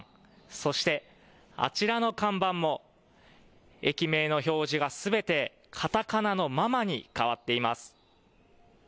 そして、あちらの看板も駅名の表示がすべてカタカナのママに変わっています。